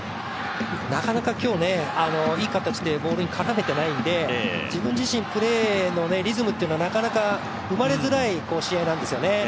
なかなか今日いい形でボールに絡めてないので自分自身、プレーのリズムがなかなか生まれづらい試合なんですよね。